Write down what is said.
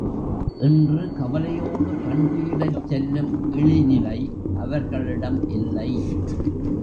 என்று கவலையோடு கண்துயிலச் செல்லும் இழிநிலை அவர்களிடம் இல்லை.